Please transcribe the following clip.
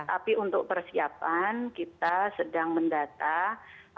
tapi untuk persiapan kita sedang mendata